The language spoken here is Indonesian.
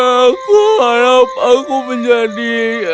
aku harap aku menjadi